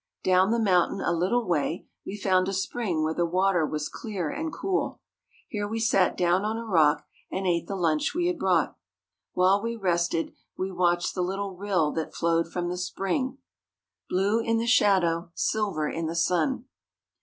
Down the mountain, a little way, we found a spring where the water was clear and cool. Here we sat down on a rock, and ate the lunch we had brought. While we rested, we watched the little rill that flowed from the spring "Blue in the shadow, Silver in the sun."